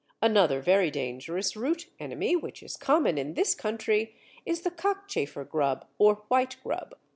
Another very dangerous root enemy, which is common in this country, is the Cockchafer grub or Whitegrub.